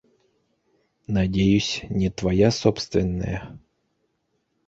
Надеюсь, не твоя собственная?